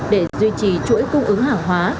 để duy trì chuỗi cung ứng hàng hóa